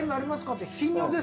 って。